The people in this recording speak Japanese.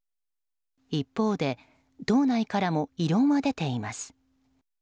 一方で党内からも異論は出ています。